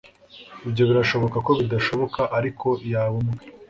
ibyo birashoboka ko bidashoboka, ariko yaba umwe